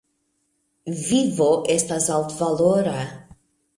Vivo estas altvalora.